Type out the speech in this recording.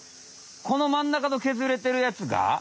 このまん中のけずれてるやつが？